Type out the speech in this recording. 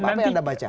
apa yang anda baca